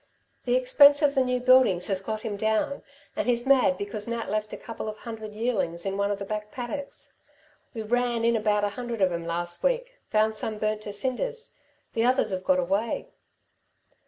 The expense of the new buildings has got him down, and he's mad because Nat left a couple of hundred yearlings in one of the back paddocks. We ran in about a hundred of 'em last week found some burnt to cinders the others 've got away."